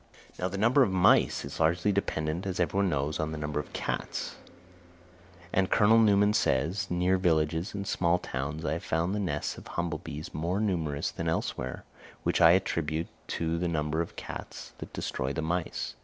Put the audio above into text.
Now the number of mice is largely dependent, as every one knows, on the number of cats; and Colonel Newman says, "Near villages and small towns I have found the nests of humble bees more numerous than elsewhere, which I attribute to the number of cats that destroy the mice."